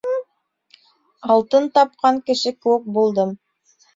Алтын тапҡан кеше кеүек булдым.